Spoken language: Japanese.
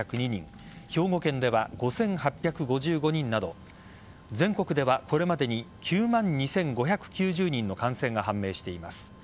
兵庫県では５８５５人など全国ではこれまでに９万２５９０人の感染が判明しています。